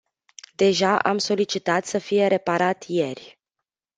Deja am solicitat să fie reparat ieri.